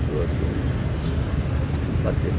sebelumnya hindro priyono juga menghapuskan alat kesehatan